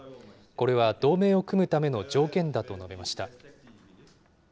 これは同盟を組むための条件だと述べました。